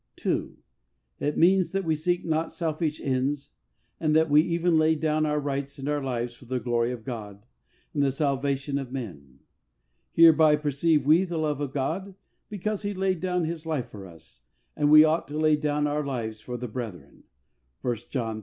(2.) It means that we seek not selfish ends and that we even lay down our rights and our lives for the glory of God and the salvation of men. " Hereby perceive we the love of God because He laid down His life for us, and we ought to lay down our lives for the brethren " (l John iii.